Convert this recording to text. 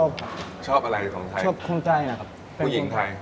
ประเทศไทยคือที่ชอบคนไทย